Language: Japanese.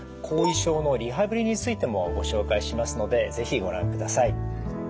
後遺症のリハビリについてもご紹介しますので是非ご覧ください。